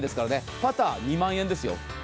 パター２万円ですよ。